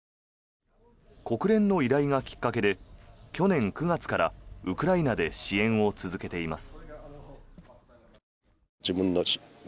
国連の依頼がきっかけで去年９月からウクライナで支援を続けています。